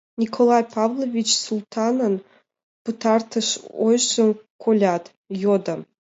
Николай Павлович Султанын пытартыш ойжым колят, йодо: